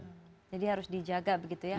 jadi harus dijaga begitu ya agar tetap sehat